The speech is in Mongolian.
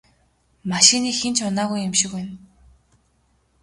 Машиныг хэн ч унаагүй юм шиг байна.